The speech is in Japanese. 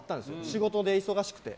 仕事で忙しくて。